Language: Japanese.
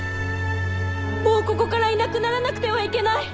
もうここからいなくならなくてはいけない。